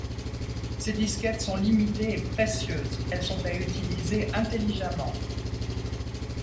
Ces disquettes sont limités et précieuses elles sont à utiliser intelligemment.